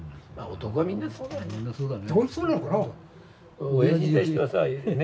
男はみんなそうだよね。